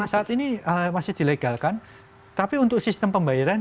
saat ini masih dilegalkan tapi untuk sistem pembayaran